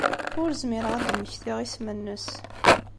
Ur zmireɣ ad d-mmektiɣ isem-nnes.